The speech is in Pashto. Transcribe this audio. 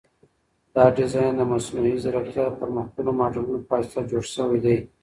دا ډیزاین د مصنوعي ځیرکتیا د پرمختللو ماډلونو په واسطه جوړ شوی دی.